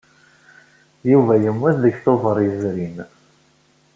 Yuba yemmut deg Tubeṛ yezrin.